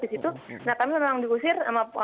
di situ nah kami memang diusir sama